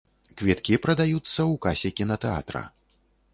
Квіткі прадаюцца ў касе кінатэатра.